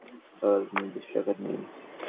তরলের নির্দিষ্ট আকার নেই।